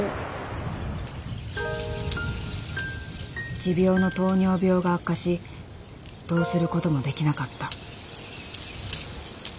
持病の糖尿病が悪化しどうする事もできなかった。